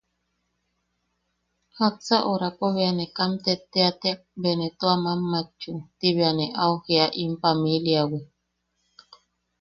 Jaksa orapo bea ne kam tetteatek bea ne tua mammatchu, ti bea ne au jijia in pamiliawi.